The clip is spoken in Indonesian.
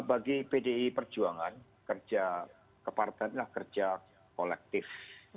bagi pdi perjuangan kerja kepartean adalah kerja kolektif